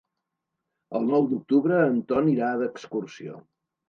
El nou d'octubre en Ton irà d'excursió.